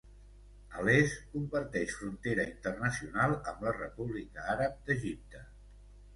A l'est comparteix frontera internacional amb la República Àrab d'Egipte.